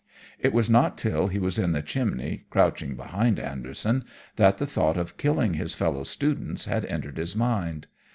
It was not till he was in the chimney, crouching behind Anderson, that the thought of killing his fellow students had entered his mind.